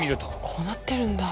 こうなってるんだ。